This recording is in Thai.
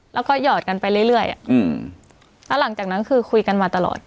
แล้วก็หยอดกันไปเรื่อยแล้วหลังจากนั้นคือคุยกันมาตลอด